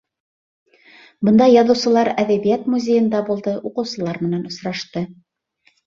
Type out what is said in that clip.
Бында яҙыусылар әҙәбиәт музейында булды, уҡыусылар менән осрашты.